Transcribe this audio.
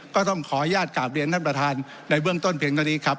ก็ต้องขออนุญาตกราบเรียนท่านประธานในเบื้องต้นเพียงเท่านี้ครับ